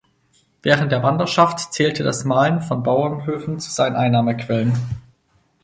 Während der Wanderschaft zählte das Malen von Bauernhöfen zu seinen Einnahmequellen.